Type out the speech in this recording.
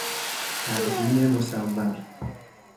تقویم مصور